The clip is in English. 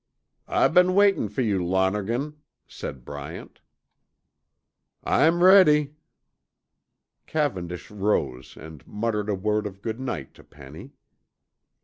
"I've been waitin' fer you, Lonergan," said Bryant. "I'm ready." Cavendish rose and muttered a word of good night to Penny.